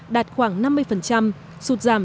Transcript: đạt khoảng năm mươi sụt giảm